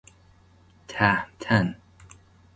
تهمتن